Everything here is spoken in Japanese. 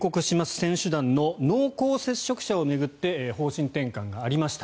選手団の濃厚接触者を巡って方針転換がありました。